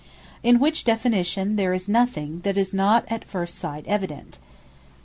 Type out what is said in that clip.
In which definition, there is nothing that is not at first sight evident.